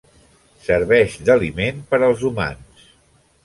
Serveix d'aliment per als humans.